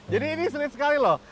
ini sulit sekali loh